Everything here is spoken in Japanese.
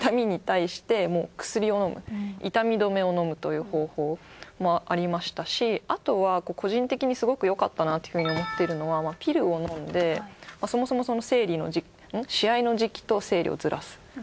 痛み止めを飲むという方法もありましたしあとは個人的にすごくよかったなっていうふうに思っているのはピルを飲んでそもそも試合の時期と生理をずらす。